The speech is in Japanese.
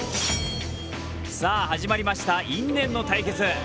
さぁ始まりました、因縁の対決。